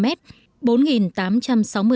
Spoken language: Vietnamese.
sẽ được đưa vào hoạt động